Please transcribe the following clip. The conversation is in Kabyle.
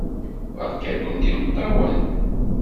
Beṛka-kent imeṭṭawen!